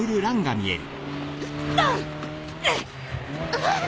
あっ！